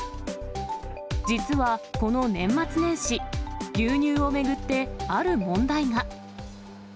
実はこの年末年始、牛乳を巡ってある問題が。